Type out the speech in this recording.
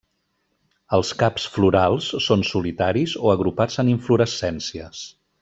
Els caps florals són solitaris o agrupats en inflorescències.